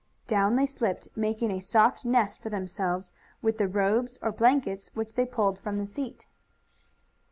Down they slipped, making a soft nest for themselves with the robes, or blankets, which they pulled from the seat.